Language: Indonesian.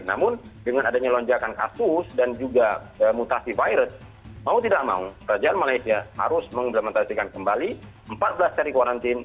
namun dengan adanya lonjakan kasus dan juga mutasi virus mau tidak mau kerajaan malaysia harus mengimplementasikan kembali empat belas seri quarantine